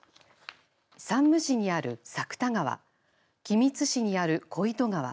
山武市にある作田川君津市にある小糸川